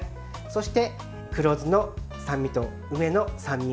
そして、黒酢の酸味と梅の酸味